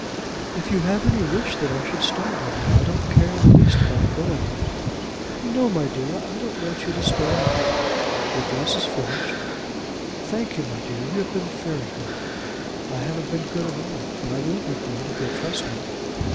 "If you have any wish that I should stay, mamma, I don't care in the least about going." "No, my dear; I don't want you to stay at all." "Your dress is finished." "Thank you, my dear; you have been very good." "I haven't been good at all; but I will be good if you'll trust me."